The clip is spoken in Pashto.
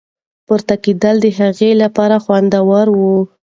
پورته کېدل د هغې لپاره خوندور وو.